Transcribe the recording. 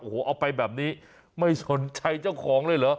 โอ้โหเอาไปแบบนี้ไม่สนใจเจ้าของเลยเหรอ